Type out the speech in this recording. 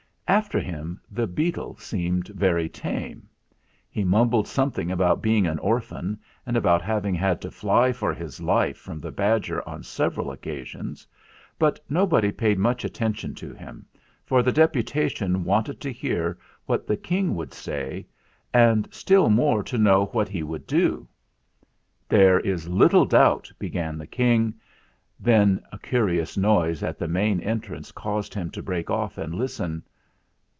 After him the beetle seemed very tame. He mumbled something about being an orphan, and about having had to fly for his life from the badger on several occasions; but nobody paid much attention to him, for the Deputa tion wanted to hear what the King would say, and still more to know what he would do. 'There is little doubt " began the King; then a curious noise at the main entrance caused him to break off and listen.